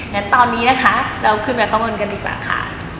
งั้นตอนนี้นะคะเราขึ้นไปข้างบนกันดีกว่าค่ะ